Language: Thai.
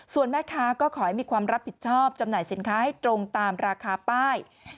ส่วนแม่ค้าก็ขอให้มีความรับผิดชอบจำหน่ายสินค้าให้ตรงตามราคาป้าย